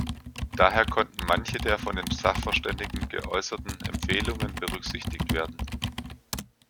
Daher konnten manche der von den Sachverständigen geäußerten Empfehlungen berücksichtigt werden.